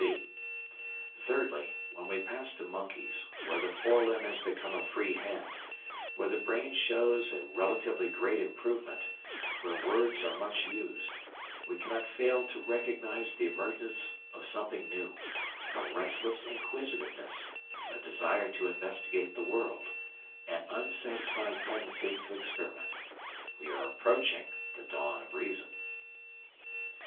(c) Thirdly, when we pass to monkeys, where the fore limb has become a free hand, where the brain shows a relatively great improvement, where "words" are much used, we cannot fail to recognise the emergence of something new a restless inquisitiveness, a desire to investigate the world, an unsatisfied tendency to experiment. We are approaching the Dawn of Reason.